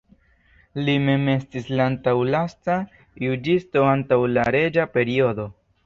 Li mem estis la antaŭlasta juĝisto antaŭ la reĝa periodo.